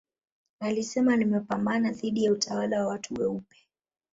alisema nimepambana dhidi ya utawala wa watu weupe